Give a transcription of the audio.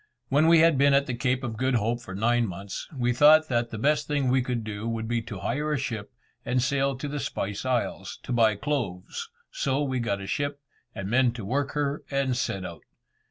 When we had been at the Cape of Good Hope for nine months, we thought that the best thing we could do would be to hire a ship, and sail to the Spice Isles, to buy cloves, so we got a ship, and men to work her, and set out.